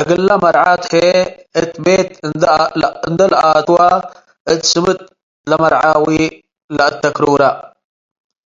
እግለ መርዓት ህዬ እት ቤት እንዴ ለኣትወ እት ስምጥ ለመርዓዊ ለአተክሩረ ።